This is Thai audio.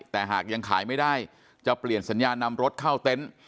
แต่หากยังขายไม่ได้จะเปลี่ยนสัญญานำรถเข้าเต็นต์